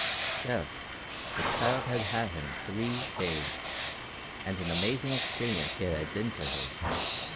Yes; the child had had him three days, and an amazing experience it had been to her.